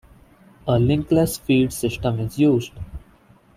A linkless feed system is used.